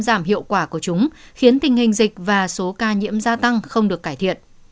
giảm hiệu quả của chúng khiến tình hình dịch và số ca nhiễm gia tăng không được cải thiện